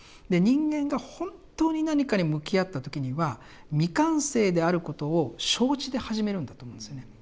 人間が本当に何かに向き合った時には未完成であることを承知で始めるんだと思うんですよね。